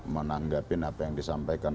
menanggapi apa yang disampaikan